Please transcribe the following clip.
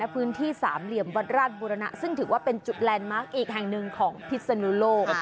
พื้นที่สามเหลี่ยมวัดราชบุรณะซึ่งถือว่าเป็นจุดแลนด์มาร์คอีกแห่งหนึ่งของพิศนุโลก